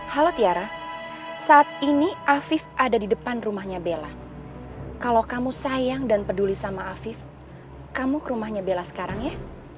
halo tiara saat ini afif ada di depan rumahnya bella kalau kamu sayang dan peduli sama afif kamu ke rumahnya bella sekarang ya